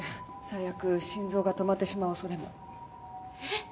最悪心臓が止まってしまう恐れも。えっ？